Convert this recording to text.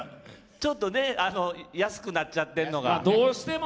ちょっとね安くなっちゃってるのが。